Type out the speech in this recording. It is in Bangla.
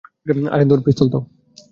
আরে ধুর, পিস্তল দাও।